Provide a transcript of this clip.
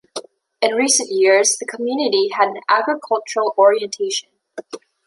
In recent years, the community had an agricultural orientation.